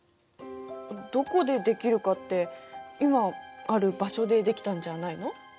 どこでできるかって今ある場所でできたんじゃないの？